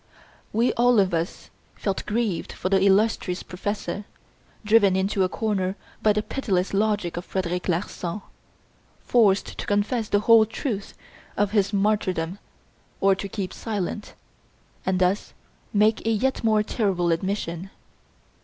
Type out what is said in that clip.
We all of us felt grieved for the illustrious professor, driven into a corner by the pitiless logic of Frederic Larsan, forced to confess the whole truth of his martyrdom or to keep silent, and thus make a yet more terrible admission.